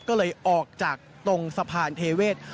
ก็เลยออกจากตรงสะพานเทเวศ